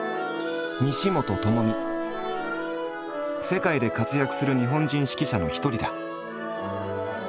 世界で活躍する日本人指揮者の一人だ。